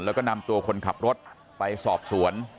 แล้วก็นำตัวคนขับรถไปสอบสวน